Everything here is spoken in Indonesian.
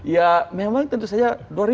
ya memang tentu saja